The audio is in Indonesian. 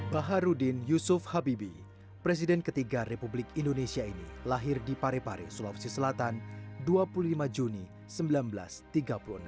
baharudin yusuf habibi presiden ketiga republik indonesia ini lahir di parepare sulawesi selatan dua puluh lima juni seribu sembilan ratus tiga puluh enam